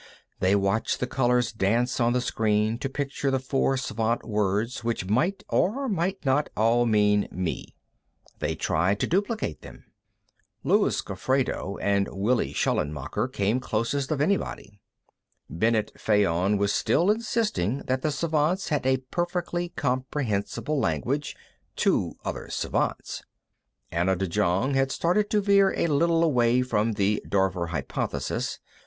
They watched the colors dance on the screen to picture the four Svant words which might or might not all mean me. They tried to duplicate them. Luis Gofredo and Willi Schallenmacher came closest of anybody. Bennet Fayon was still insisting that the Svants had a perfectly comprehensible language to other Svants. Anna de Jong had started to veer a little away from the Dorver Hypothesis.